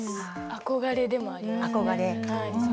憧れでもあります。